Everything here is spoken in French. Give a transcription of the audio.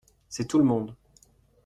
C’est tout le monde.